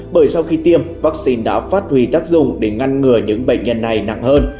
bởi sau khi tiêm vaccine đã phát huy tác dụng để ngăn ngừa những bệnh nhân này nặng hơn